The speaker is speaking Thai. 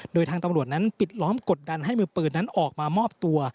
โดยทางตำรวจนั้นปิดล้อมกดดันให้มือปืนนั้นออกมามอบตัว